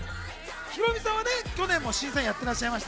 ヒロミさんはね、去年も審査員やってらっしゃいました。